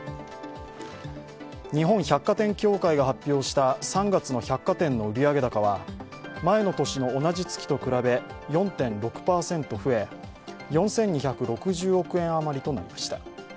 日本百貨店協会が発表した３月の百貨店の売上高は前の年の同じ月と比べ４．６％増え、４２６０億円余りとなりました。